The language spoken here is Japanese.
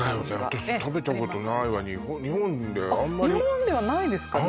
私食べたことないわ日本であんまりあっ日本ではないですかね